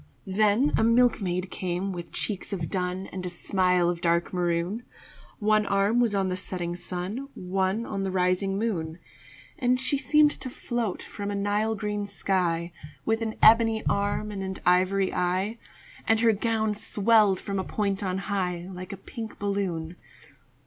Then a milkmaid came with cheeks of dun And a smile of dark maroon, One arm was on the setting sun, One on the rising moon. And she seemed to float from a Nile green sky, With an ebony arm and an ivory eye, And her gown swelled from a point on high, Like a pink balloon.